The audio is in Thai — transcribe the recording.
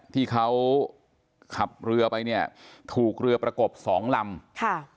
ที่เขาขับเรือไปเนี่ยถูกเรือประกบสองลำค่ะ